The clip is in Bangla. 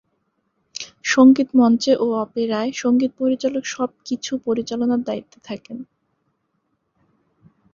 সঙ্গীত মঞ্চে ও অপেরায় সঙ্গীত পরিচালক সব কিছু পরিচালনার দায়িত্বে থাকেন।